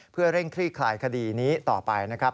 เพื่อเร่งคลี่คลายคดีนี้ต่อไปนะครับ